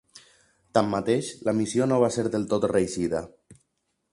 Tanmateix, la missió no va ser del tot reeixida.